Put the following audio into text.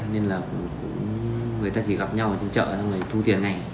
nên là người ta chỉ gặp nhau ở trên chợ xong rồi thu tiền ngành